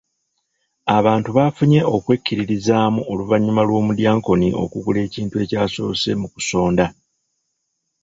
Abantu bafunye okwekkiririzaamu oluvannyuma lw'omudyankoni okugula ekintu ekyasoose mu kusonda.